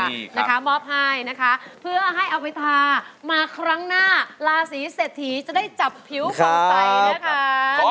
นี่นะคะมอบให้นะคะเพื่อให้เอาไปทามาครั้งหน้าราศีเศรษฐีจะได้จับผิวคนใสนะคะ